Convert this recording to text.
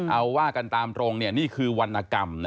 เอาว่ากันตามตรงนี่คือวรรณกรรม